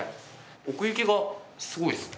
奥行きがすごいですね。